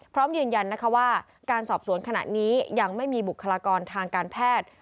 พร้อมยืนยันนะคะว่าการสอบสวนขณะนี้ยังไม่มีบุคลากรทางการแพทย์